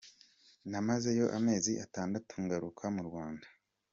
Namazeyo amezi atandatu ngaruka mu Rwanda.